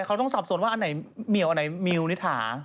เขาต้องสับสนว่าอันไหนเหมียวอันไหนมิวนิถา